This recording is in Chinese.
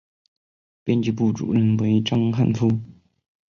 编辑部主任为章汉夫。